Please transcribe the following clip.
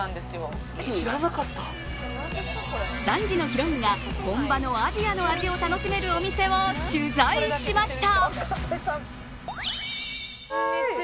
３時のヒロインが本場のアジアの味を楽しめるお店を取材しました。